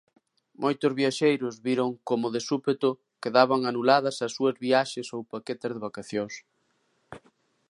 Moitos viaxeiros viron como, de súpeto, quedaban anuladas as súas viaxes ou paquetes de vacacións.